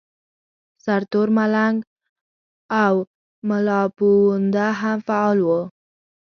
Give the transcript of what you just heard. سرتور ملنګ او ملاپوونده هم فعال وو.